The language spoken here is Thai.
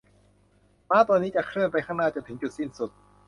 ม้าตัวนี้จะเคลื่อนไปข้างหน้าจนถึงจุดสิ้นสุด